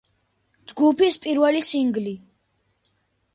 ჯგუფის პირველი სინგლი.